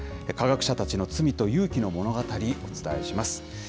科学者たちの罪と勇気の物語、お伝えします。